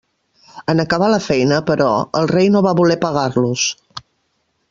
En acabar la feina, però, el rei no va voler pagar-los.